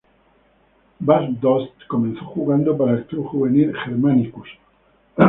Bas Dost comenzó jugando para el club juvenil Germanicus.